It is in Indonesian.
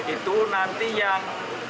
itu nanti yang